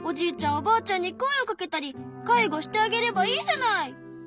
おばあちゃんに声をかけたり介護してあげればいいじゃない。